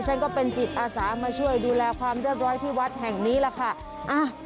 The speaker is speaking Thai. ฉันก็เป็นจิตอาสามาช่วยดูแลความเรียบร้อยที่วัดแห่งนี้แหละค่ะ